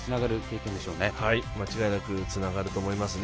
間違いなくつながると思いますね。